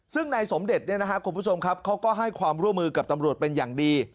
ซึ่งนายสมเด็จเนี่ยนะครับคุณผู้ชมครับเขาก็ให้ความร่วมมือกับตำรวจเป็นอย่างดี